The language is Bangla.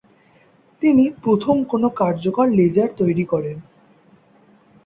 তিনি প্রথম কোনো কার্যকর লেজার তৈরী করেন।